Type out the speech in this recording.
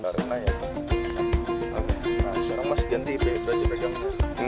jadi ini kanan